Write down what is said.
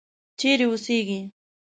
چیرې اوسیږې.